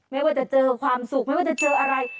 ไม่ว่าจะเจอความสุขไม่ว่าจะเจออะไร